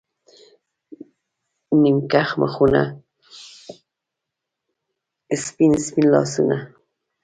نیم کښ مخونه، سپین، سپین لاسونه